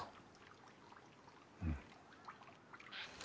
うん。